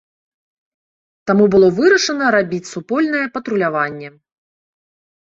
Таму было вырашана рабіць супольнае патруляванне.